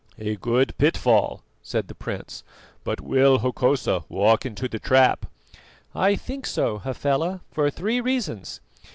"A good pitfall," said the prince; "but will Hokosa walk into the trap?" "I think so, Hafela, for three reasons.